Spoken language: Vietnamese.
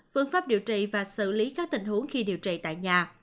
phương pháp điều trị và xử lý các tình huống khi điều trị tại nhà